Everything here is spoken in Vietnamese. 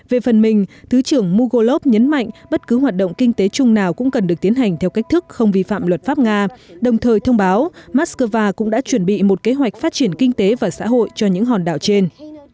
về phần mình thứ trưởng mugolov nhấn mạnh bất cứ hoạt động kinh tế chung nào cũng cần được tiến hành theo cách thức không vi phạm luật pháp nga đồng thời thông báo moscow cũng đã chuẩn bị một kế hoạch phát triển kinh tế và xã hội cho những hòn đảo trên